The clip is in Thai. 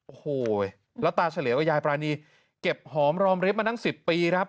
โอ้โหแล้วตาเฉลี่ยวกับยายปรานีเก็บหอมรอมริบมาตั้ง๑๐ปีครับ